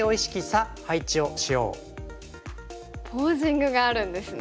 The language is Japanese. ポージングがあるんですね。